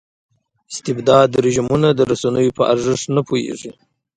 استبدادي رژیمونه د رسنیو په ارزښت پوهېږي.